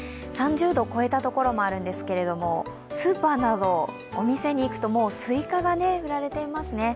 ３０度を超えた所もあるんですけれどもスーパーなどお店にいくともう、すいかが売られていますね。